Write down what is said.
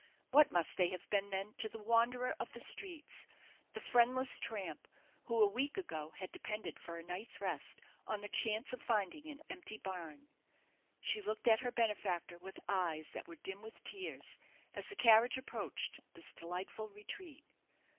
What must they have been then to the wanderer of the streets the friendless tramp who a week ago had depended for a night's rest on the chance of finding an empty barn. She looked at her benefactor with eyes that were dim with tears, as the carriage approached this delightful retreat.